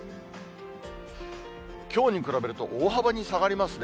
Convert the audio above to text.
きょうに比べると大幅に下がりますね。